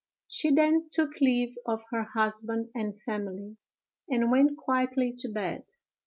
She then took leave of her husband and family, and went quietly to bed.